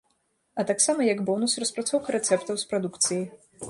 А таксама, як бонус, распрацоўка рэцэптаў з прадукцыяй.